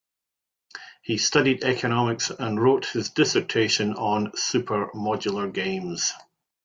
He studied Economics and wrote his dissertation on supermodular games.